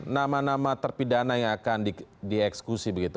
nama nama terpidana yang akan dieksekusi begitu